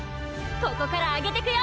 ここからアゲてくよ